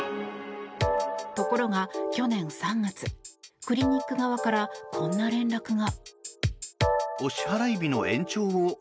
ところが去年３月クリニック側からこんな連絡が。